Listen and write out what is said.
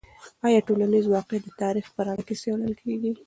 آیا ټولنیز واقعیت د تاریخ په رڼا کې څیړل کیږي؟